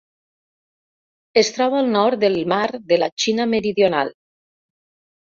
Es troba al nord del mar de la Xina Meridional.